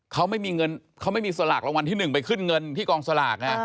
เขาไม่มีเงินเขาไม่มีสลากรางวัลที่๑ไปขึ้นเงินที่กองสลาก